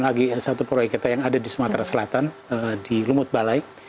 lagi satu proyek kita yang ada di sumatera selatan di lumut balai